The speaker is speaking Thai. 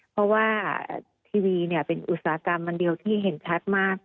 เพราะว่าทีวีเป็นอุตสาหกรรมอันเดียวที่เห็นชัดมาก